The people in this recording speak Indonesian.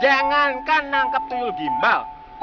jangankan nangkep tuyul gimbal